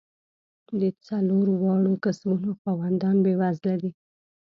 د څلور واړو کسبونو خاوندان بېوزله دي.